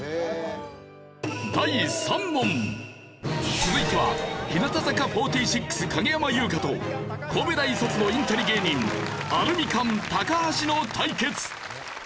続いては日向坂４６影山優佳と神戸大卒のインテリ芸人アルミカン高橋の対決。